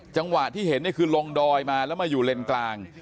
จังหวะที่เห็นนี่คือลงดอยมาแล้วมาอยู่เลนกลาง